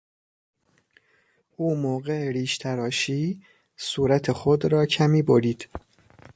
او موقع ریش تراشی صورت خود را کمی برید.